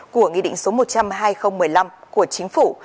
của nghị định số một trăm một mươi năm của chính phủ